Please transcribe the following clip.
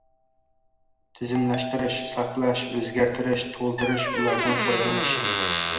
tizimlashtirish, saqlash, o‘zgartirish, to‘ldirish, ulardan foydalanish